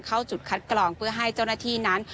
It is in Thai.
เข้าจุดคัดกรองเพื่อให้เจ้าหน้าที่นั้น